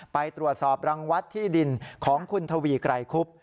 ไปตรวจสอบรังวัดที่ดินของคุณทวีไกรคุบ